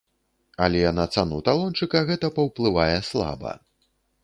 Але на цану талончыка гэта паўплывае слаба.